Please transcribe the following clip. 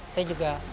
saya juga pasti